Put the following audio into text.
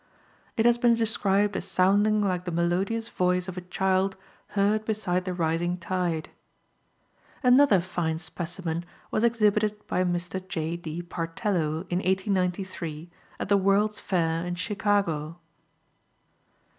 It has been described as sounding like the melodious voice of a child heard beside the rising tide. Another fine specimen was exhibited by Mr. J. D. Partello, in 1893, at the World's Fair, in Chicago.